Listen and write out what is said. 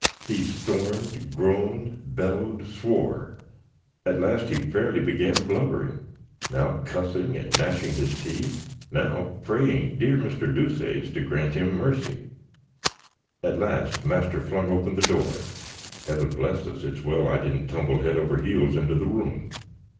He stormed, groaned, belloed, swoar! At last, he fairly began blubbring; now cussing and nashing his teeth, now praying dear Mr. Deuceace to grant him mercy. At last, master flung open the door (Heavn bless us! it's well I didn't tumble hed over eels, into the room!)